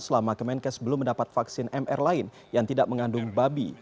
selama kemenkes belum mendapat vaksin mr lain yang tidak mengandung babi